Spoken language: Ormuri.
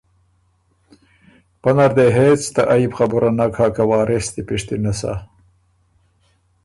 پۀ نر دې هېڅ ته عئب خبُره نک هۀ که وارث دی پشتِنه سۀ